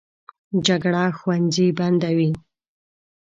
جګړه ښوونځي بندوي